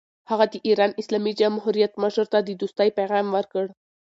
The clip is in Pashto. هغه د ایران اسلامي جمهوریت مشر ته د دوستۍ پیغام ورکړ.